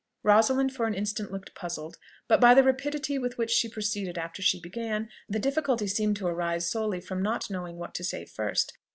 Rosalind for an instant looked puzzled; but, by the rapidity with which she proceeded after she began, the difficulty seemed to arise solely from not knowing what to say first.